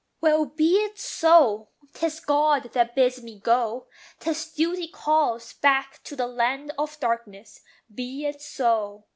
Well, be it so! 'Tis God that bids me go; 'tis duty calls Back to the land of darkness. Be it so!